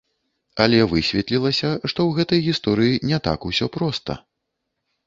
Але высветлілася, што ў гэтай гісторыі не так усё проста.